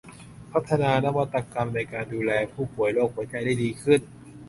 พัฒนานวัตกรรมในการดูแลผู้ป่วยโรคหัวใจได้ดีขึ้น